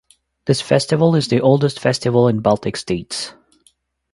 This festival is the oldest festival in Baltic states.